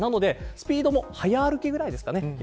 スピードも早歩きくらいです。